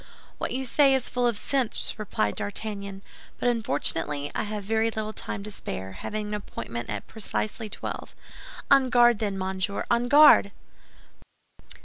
"What you say is full of sense," replied D'Artagnan; "but unfortunately I have very little time to spare, having an appointment at twelve precisely. On guard, then, monsieur, on guard!"